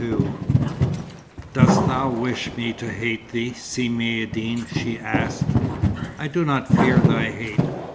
XXXII "Dost thou wish me to hate thee, Si Maïeddine?" she asked. "I do not fear thy hate.